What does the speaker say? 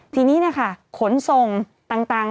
ทีนี้นะคะขนส่งต่าง